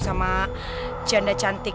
sama janda cantik